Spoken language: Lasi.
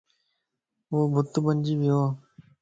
يو بت بنجي ويووَ